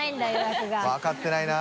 分かってないな。